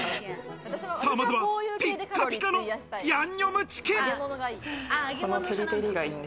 まずはピッカピカのヤンニョムチキン。